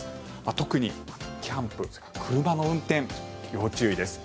特にキャンプ、それから車の運転要注意です。